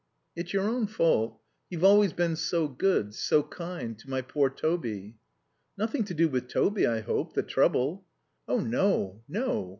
"It's your own fault. You've always been so good, so kind. To my poor Toby." "Nothing to do with Toby, I hope, the trouble?" "Oh, no. No.